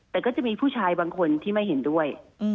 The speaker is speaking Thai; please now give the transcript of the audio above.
แต่ก็จะมีผู้ชายบางคนที่ไม่เห็นด้วย